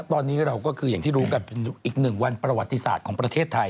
ตอนนี้เราก็คืออย่างที่รู้กันเป็นอีกหนึ่งวันประวัติศาสตร์ของประเทศไทย